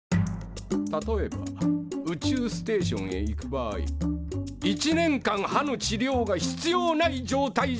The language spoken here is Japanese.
例えば宇宙ステーションへ行く場合１年間歯の治療が必要ない状態じゃないといけません。